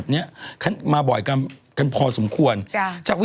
เดี๋ยวกลับมาครับ